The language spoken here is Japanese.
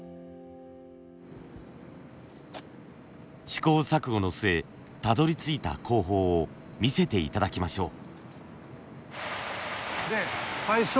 試行錯誤の末たどり着いた工法を見せて頂きましょう。